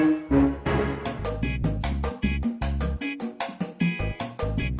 autoresang adalah apa itu